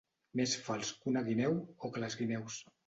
Més fals que una guineu o que les guineus.